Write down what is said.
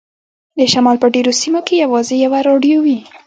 د شمال په ډیرو سیمو کې یوازې یوه راډیو وي